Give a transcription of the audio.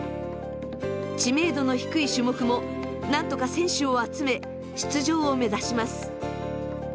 知名度の低い種目もなんとか選手を集め出場を目指します。